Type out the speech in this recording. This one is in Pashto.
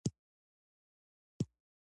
اقتصادي ودې لپاره مالي مدیریت مهم دی.